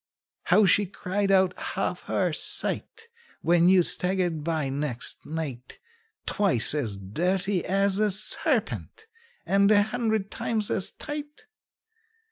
How she cried out half her sight, When you staggered by, next night, Twice as dirty as a serpent, and a hundred times as tight?